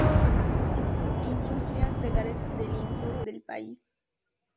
Industria: telares de lienzos del país.